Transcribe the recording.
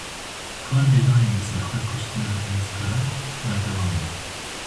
Karvedanên li ser xwekuştina Enes Kara berdewam in.